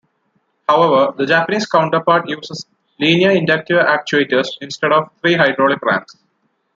However, the Japanese counterpart uses linear-inductive actuators instead of three hydraulic rams.